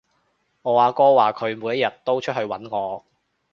我阿哥話佢每一日都出去搵我